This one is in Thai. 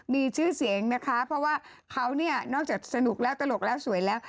มีชื่อเสียงนะคะเพราะว่าเขาเนี่ยนอกจากสนุกแล้วตลกแล้วสวยแล้ว